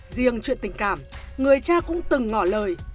riêng chuyện tình cảm người cha cũng từng ngõ lời